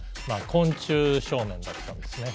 昆虫少年だったんですね。